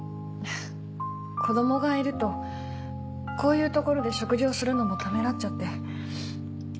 子供がいるとこういう所で食事をするのもためらっちゃって。